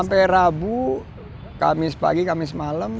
sampai rabu kamis pagi kamis malam